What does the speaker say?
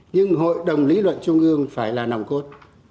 nhưng hội đồng lý luận trung ương phải là nòng cốt